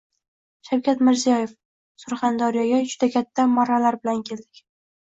Shavkat Mirziyoyev: Surxondaryoga juda katta marralar bilan keldik